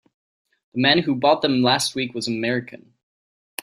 The man who bought them last week was American.